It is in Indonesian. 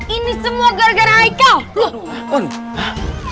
ini semua gara gara haikal